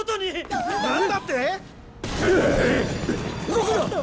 動くな！